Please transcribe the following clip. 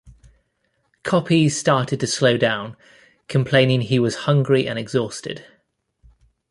Coppi started to slow down, complaining he was hungry and exhausted.